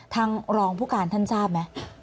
ทางรองผู้การท่านทราบไหม